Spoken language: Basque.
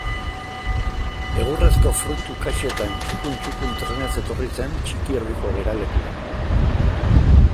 Egurrezko fruitu kaxetan txukun-txukun trenez etorri zen Txikierdiko geralekura.